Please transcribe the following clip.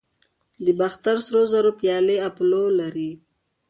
د باختر سرو زرو پیالې اپولو لري